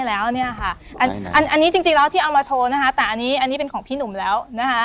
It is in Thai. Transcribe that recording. อันนี้จริงแล้วที่เอามาโชว์นะฮะแต่อันนี้เป็นของพี่หนุ่มแล้ว